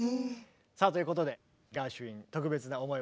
さあということでガーシュウィン特別な思い